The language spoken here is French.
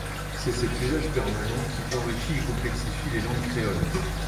C'est cet usage permanent qui enrichit et complexifie les langues créoles.